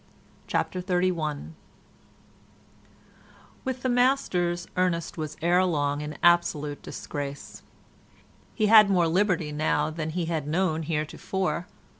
CHAPTER XXXI With the masters Ernest was ere long in absolute disgrace. He had more liberty now than he had known heretofore.